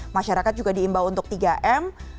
masyarakat juga diimbau untuk tiga m